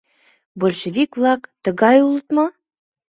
Большевик-влак тыгай улыт мо?